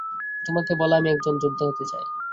তোমাকে বলা আমি একজন যোদ্ধা হতে চাই।